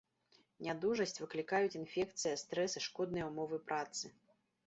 Нядужасць выклікаюць інфекцыя, стрэс і шкодныя ўмовы працы.